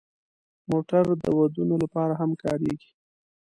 موټر د ودونو لپاره هم کارېږي.